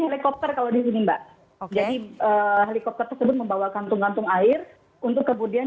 helikopter kalau di sini mbak jadi helikopter tersebut membawa kantung kantung air untuk kemudian